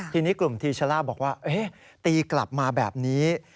ทีนี้กลุ่มทีชะล่าบอกว่าตีกลับมาแบบนี้